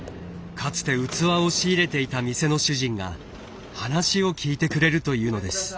かつて器を仕入れていた店の主人が話を聞いてくれるというのです。